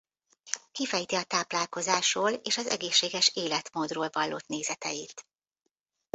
Kifejti a táplálkozásról és az egészséges életmódról vallott nézeteit.